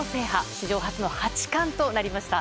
史上初の八冠となりました。